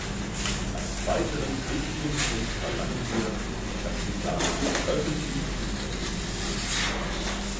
Als weiteren wichtigen Punkt verlangen wir, dass die Daten öffentlich zugänglich sind.